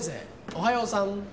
おはようさん。